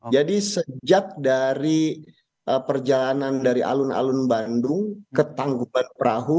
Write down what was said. sejak dari perjalanan dari alun alun bandung ke tanggupan perahu